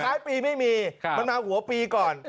ท้ายปีไม่มีครับเมนาหน้าหัวปรีก่อน